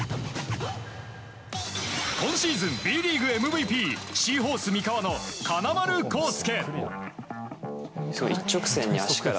今シーズンＢリーグＭＶＰシーホース三河の金丸晃輔。